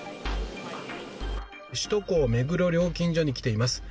首都高目黒料金所に来ています。